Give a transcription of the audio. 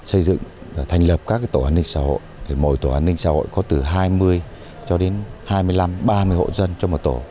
xây dựng thành lập các tổ an ninh xã hội mỗi tổ an ninh xã hội có từ hai mươi cho đến hai mươi năm ba mươi hộ dân trong một tổ